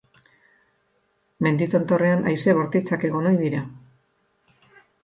Mendi tontorrean haize bortitzak egon ohi dira.